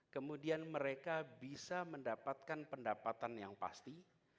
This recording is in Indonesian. kemudian mereka bisa mendapatkan pendapatan yang pasti